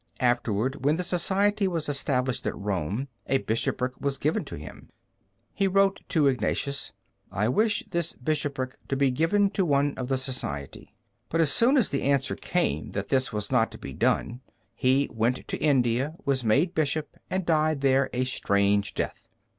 Afterward, when the Society was established at Rome, a bishopric was given to him. He wrote to Ignatius, "I wish this bishopric to be given to one of the Society." But as soon as the answer came that this was not to be done, he went to India, was made bishop, and died there a strange death.